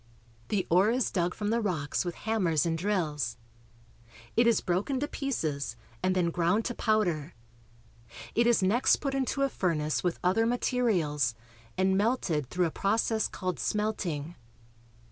The ore is dug from the rocks with hammers and drills. It is broken to pieces and then ground to powder. It is next put into a furnace with other materials, and melted through a process called smelting.